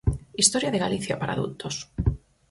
Historia de Galicia para adultos.